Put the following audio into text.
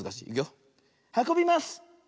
はこびます！